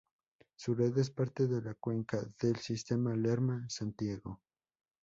Su red es parte de la cuenca del sistema Lerma-Santiago.